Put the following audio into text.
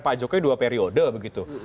pak jokowi dua periode